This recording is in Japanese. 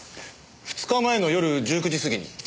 ２日前の夜１９時過ぎに。